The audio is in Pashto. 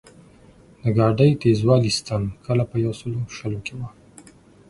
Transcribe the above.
د ګاډۍ تېزوالي ستن کله په یو سلو شلو کې وه.